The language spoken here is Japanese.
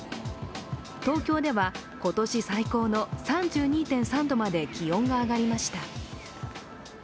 東京では今年最高の３２．３度まで気温が上がりました。